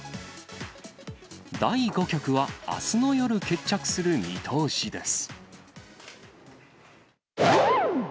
第５局はあすの夜決着する見通しです。